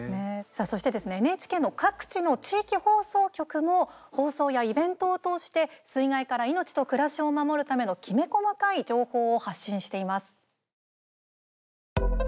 さあ、そしてＮＨＫの各地の地域放送局も放送やイベントを通して水害から命と暮らしを守るためのきめ細かい情報を発信しています。